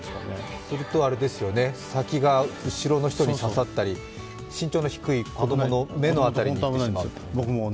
するとあれですよね、先が後ろの人に刺さったり、身長の低い子供の目のあたりにいってしまう。